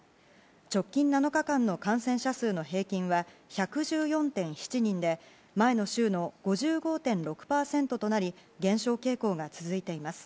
直近７日間の感染者数の平均は１１４．７人で前の週の５５．６％となり減少傾向が続いています。